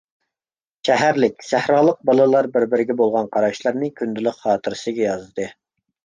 شەھەرلىك، سەھرالىق بالىلار بىر-بىرىگە بولغان قاراشلىرىنى كۈندىلىك خاتىرىسىگە يازدى.